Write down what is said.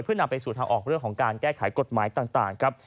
เพื่อนำไปสู่ทางออกเรื่องของการแก้ไขกฎหมายต่างครับ